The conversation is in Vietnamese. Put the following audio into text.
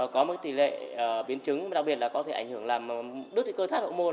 có một tỷ lệ biến chứng đặc biệt là có thể ảnh hưởng làm đứt cơ thác độ môn